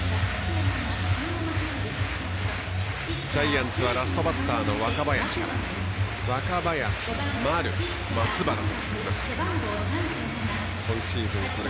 ジャイアンツはラストバッターの若林から。